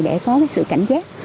để có sự cảnh giác